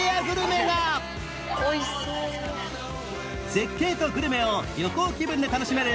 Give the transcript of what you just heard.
絶景とグルメを旅行気分で楽しめる